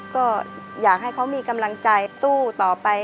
ก็อยากให้เขามีกำลังใจสู้ต่อไป